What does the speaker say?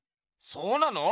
そうなの？